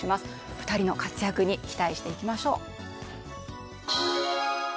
２人の活躍に期待していきましょう。